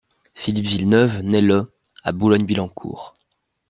Philippe Villeneuve naît le à Boulogne-Billancourt.